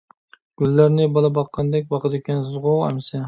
گۈللەرنى بالا باققاندەك باقىدىكەنسىزغۇ ئەمىسە.